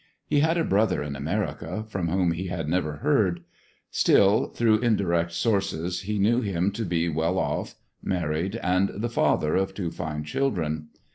He had a brother in America from whom he had never heard; still, through indirect sources he knew him to be well off, married, and the father of two fine children.